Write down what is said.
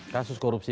ketua dpr ri